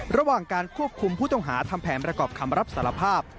ระหว่างการควบคุมผู้ต้องหาทำแผนประกอบคำรับสารภาพ